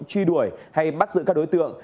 truy đuổi hay bắt giữ các đối tượng